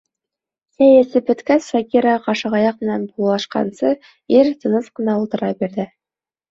Сәй эсеп бөткәс, Шакира ҡашығаяҡ менән булашҡансы, ир тыныс ҡына ултыра бирҙе.